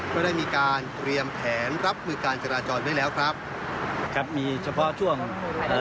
ก็ได้มีการเตรียมแผนรับมือการจราจรได้แล้วครับครับมีเฉพาะช่วงเอ่อ